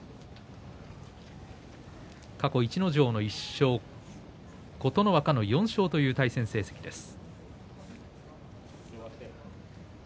過去、逸ノ城の１勝琴ノ若の４勝という対戦成績です。